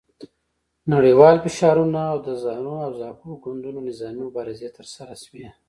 نړیوال فشارونه او د زانو او زاپو ګوندونو نظامي مبارزې ترسره شوې.